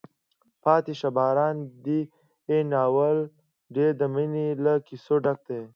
پاتې شه باران دی ناول ډېر د مینې له کیسو ډک ده.